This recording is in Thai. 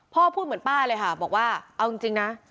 พูดเหมือนป้าเลยค่ะบอกว่าเอาจริงนะ